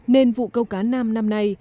nền vụ câu cá nam năm nay